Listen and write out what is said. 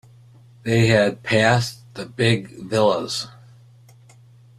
They had passed the big villas.